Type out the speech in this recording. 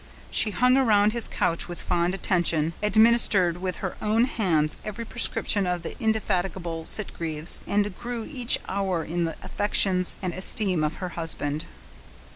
She hung around his couch with fond attention, administered with her own hands every prescription of the indefatigable Sitgreaves, and grew each hour in the affections and esteem of her husband.